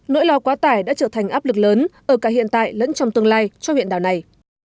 nỗi lo quá tải đã trở thành áp lực lớn ở cả hiện tại lẫn trong tương lai cho huyện đảo này